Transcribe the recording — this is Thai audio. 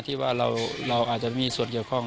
ที่ว่าเราอาจจะมีส่วนเกี่ยวข้อง